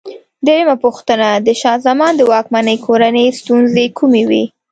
درېمه پوښتنه: د شاه زمان د واکمنۍ کورنۍ ستونزې کومې وې؟